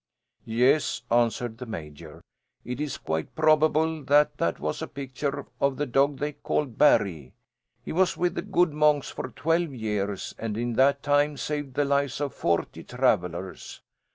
"Yes," answered the Major, "it is quite probable that that was a picture of the dog they called Barry. He was with the good monks for twelve years, and in that time saved the lives of forty travellers.